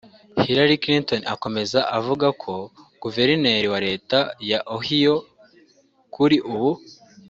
Hillary Clinton akomeza avuga ko guverineri wa leta ya Ohio kuri ubu